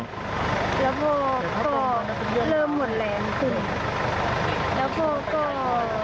แล้วพ่อก็เริ่มหมดแรงขึ้น